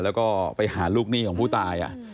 แล้วก็ไปหาลูกหนี้ของผู้ตาย